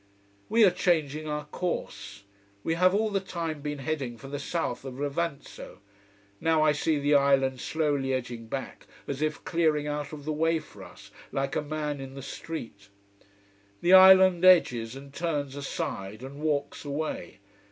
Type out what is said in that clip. We are changing our course. We have all the time been heading for the south of Levanzo. Now I see the island slowly edging back, as if clearing out of the way for us, like a man in the street. The island edges and turns aside: and walks away.